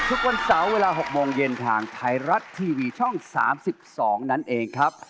ทุกวันเสาร์เวลา๖โมงเย็นทางไทยรัฐทีวีช่อง๓๒นั่นเองครับ